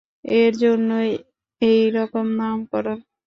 এই জন্য এই রকম নামকরণ।